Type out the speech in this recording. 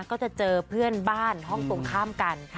ก็จะเจอเพื่อนบ้านห้องตรงข้ามกัน